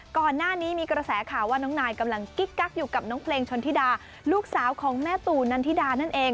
ก่อนหน้านี้มีกระแสข่าวว่าน้องนายกำลังกิ๊กกักอยู่กับน้องเพลงชนธิดาลูกสาวของแม่ตู่นันทิดานั่นเอง